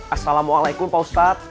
assalamualaikum pak ustadz